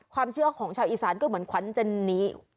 ความเชื่อของชาวอีสานก็เหมือนขวัญเจนนี้